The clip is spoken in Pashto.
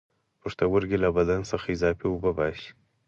پښتورګي له بدن څخه اضافي اوبه وباسي